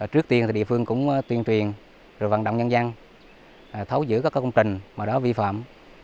trước tiên thì địa phương cũng tuyên truyền rồi vận động nhân dân thấu giữ các công trình mà đó vi phạm